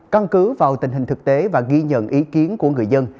căn cứ vào tình hình thực tế và ghi nhận ý kiến của người dân